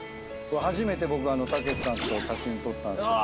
初めて僕武さんと写真撮ったんですけど。